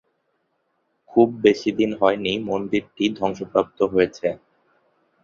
খুব বেশিদিন হয়নি মন্দিরটি ধ্বংসপ্রাপ্ত হয়েছে।